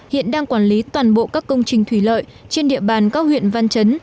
hiện đang quản lý toàn bộ các công trình thủy lợi trên địa bàn các huyện văn chấn